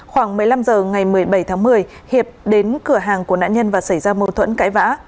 khoảng một mươi năm h ngày một mươi bảy tháng một mươi hiệp đến cửa hàng của nạn nhân và xảy ra mâu thuẫn cãi vã